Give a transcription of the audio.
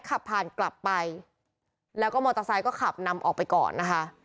ขับผ่านกลับไปแล้วก็มอเตอร์ไซค์ก็ขับนำออกไปก่อนนะคะ